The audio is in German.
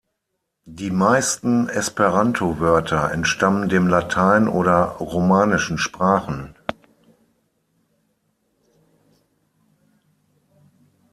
Die meisten Esperanto-Wörter entstammen dem Latein oder romanischen Sprachen.